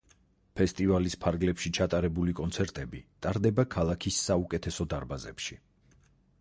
ფესტივალის ფარგლებში ჩატარებული კონცერტები ტარდება ქალაქის საუკეთესო დარბაზებში.